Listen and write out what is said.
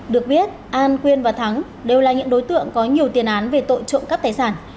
được biết an quyên và thắng đều là những đối tượng có nhiều tiền án về tội trộm cắp tài sản